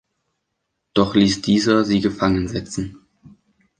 Doch ließ dieser sie gefangen setzen.